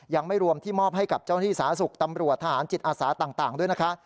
ยังไม่รวมที่มอบให้กับเจ้าหน้าที่สาธารณสุขตำรวจทหารจิตอาสาต่างด้วยนะคะ